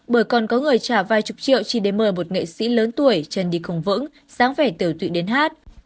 bởi còn có người trả vài chục triệu chỉ để mời một nghệ sĩ lớn tuổi chân đi khổng vững dáng vẻ tiểu tụy đến hát